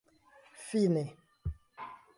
fine